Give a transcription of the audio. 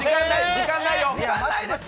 時間ない！